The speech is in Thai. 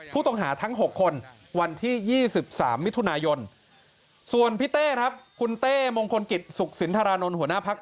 ผู้ต้องหาทั้ง๖คน